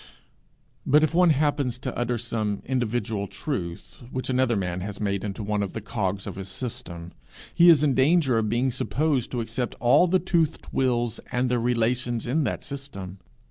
But if one happens to utter some individual truth which another man has made into one of the cogs of his system, he is in danger of being supposed to accept all the toothed wheels and their relations in that system.